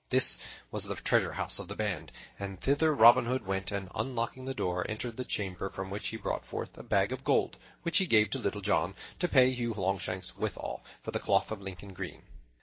This was the treasure house of the band, and thither Robin Hood went and, unlocking the door, entered the chamber, from which he brought forth a bag of gold which he gave to Little John, to pay Hugh Longshanks withal, for the cloth of Lincoln green.